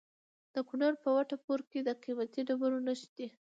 د کونړ په وټه پور کې د قیمتي ډبرو نښې دي.